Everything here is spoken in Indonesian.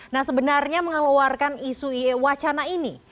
nah sebenarnya mengeluarkan isu wacana ini